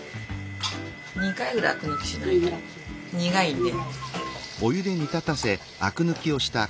２回ぐらいアク抜きしないと苦いんで。